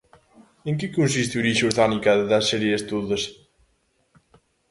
En que consiste "Orixe orzánica das sereas todas"?